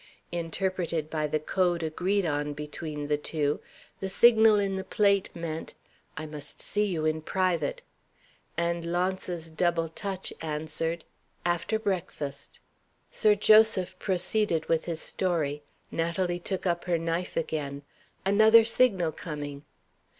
Interpreted by the Code agreed on between the two, the signal in the plate meant, "I must see you in private." And Launce's double touch answered, "After breakfast." Sir Joseph proceeded with his story. Natalie took up her knife again. Another signal coming!